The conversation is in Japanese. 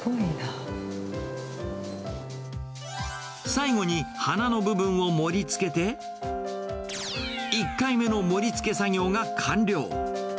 最後に花の部分を盛りつけて、１回目の盛りつけ作業が完了。